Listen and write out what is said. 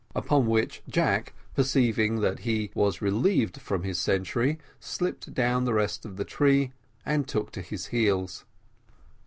Upon which Jack, perceiving that he was relieved from his sentry, slipped down the rest of the tree and took to his heels.